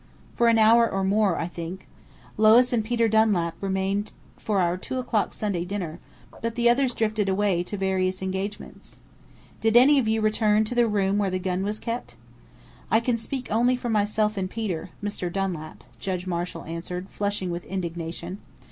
"For an hour or more, I think. Lois and Peter Dunlap remained for our two o'clock Sunday dinner, but the others drifted away to various engagements." "Did any of you return to the room where the gun was kept?" "I can speak only for myself and Peter Mr. Dunlap," Judge Marshall answered, flushing with indignation.